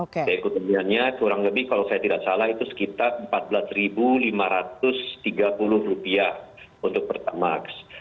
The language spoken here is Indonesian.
keekonomiannya kurang lebih kalau saya tidak salah itu sekitar rp empat belas lima ratus tiga puluh untuk pertamax